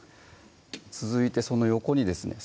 続いてその横にですね